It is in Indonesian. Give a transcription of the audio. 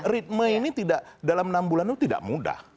ritme ini tidak dalam enam bulan itu tidak mudah